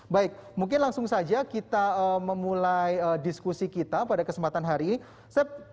baik mungkin langsung saja kita memulai diskusi kita pada kesempatan hari ini